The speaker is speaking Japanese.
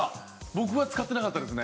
僕は使ってなかったですね。